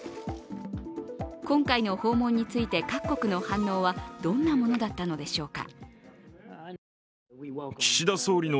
今回の訪問について各国の反応はどんなものだったのでしょうか。